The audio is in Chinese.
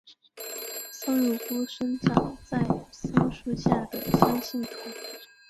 松乳菇生长在松树下的酸性土。